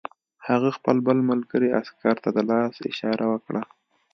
هغه خپل بل ملګري عسکر ته د لاس اشاره وکړه